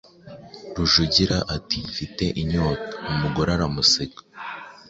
Rujugira ati «Mfite inyota». Umugore aramuseka,